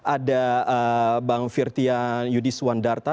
ada bang firtian yudis wandarta